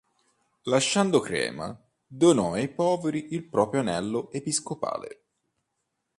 Lasciando Crema, donò ai poveri il proprio anello episcopale.